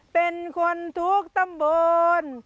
เป็นคนทุกตำบล